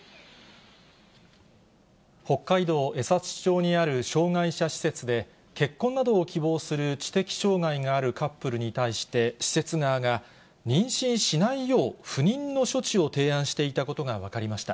北海道江差町にある障がい者施設で、結婚などを希望する知的障害があるカップルに対して、施設側が、妊娠しないよう不妊の処置を提案していたことが分かりました。